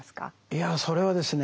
いやそれはですね